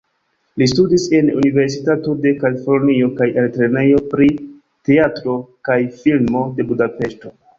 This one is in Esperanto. Li studis en Universitato de Kalifornio kaj Altlernejo pri Teatro kaj Filmo de Budapeŝto.